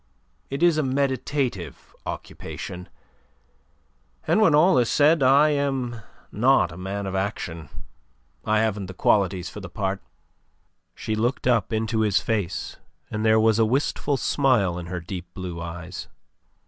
It is a meditative occupation; and when all is said, I am not a man of action. I haven't the qualities for the part." She looked up into his face, and there was a wistful smile in her deep blue eyes.